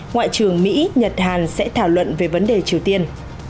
ngoại trưởng mỹ nhật hàn sẽ thảo luận về vấn đề triều tiên